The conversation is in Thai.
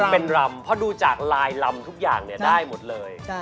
เพราะดูจากลายลำทุกอย่างได้หมดเลย